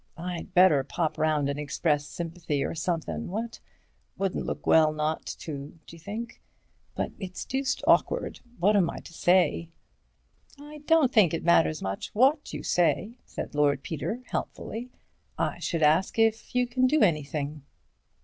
"I'd better pop round and express sympathy or somethin', what? Wouldn't look well not to, d'you think? But it's deuced awkward. What am I to say?" "I don't think it matters much what you say," said Lord Peter, helpfully. "I should ask if you can do anything."